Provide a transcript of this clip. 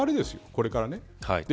これからね。